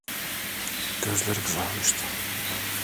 Gözleri kızarmıştı.